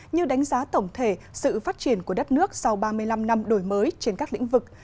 như đánh giá tổng thể sự phát triển của đất nước sau ba mươi năm năm đổi mới trên các lĩnh vực